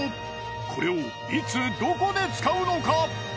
これをいつどこで使うのか？